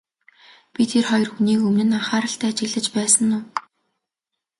Би тэр хоёр хүнийг өмнө нь анхааралтай ажиглаж байсан уу?